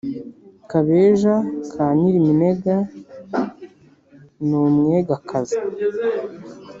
Kabeja ka Nyiriminega ni umwegakazi